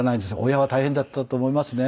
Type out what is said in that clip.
親は大変だったと思いますね。